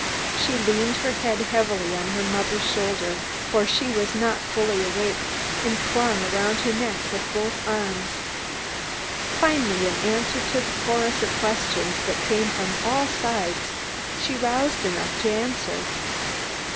She leaned her head heavily on her mother's shoulder, for she was not fully awake, and clung around her neck with both arms. Finally, in answer to the chorus of questions that came from all sides, she roused enough to answer.